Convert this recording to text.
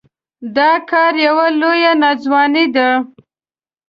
دا کار يوه لويه ناځواني ده.